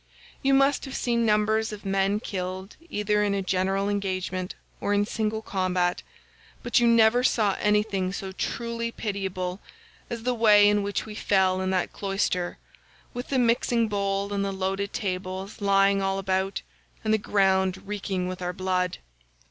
You must have seen numbers of men killed either in a general engagement, or in single combat, but you never saw anything so truly pitiable as the way in which we fell in that cloister, with the mixing bowl and the loaded tables lying all about, and the ground reeking with our blood.